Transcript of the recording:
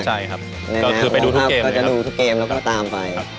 ในโรงพยาปณ์จะไปดูทุกเกมละครับ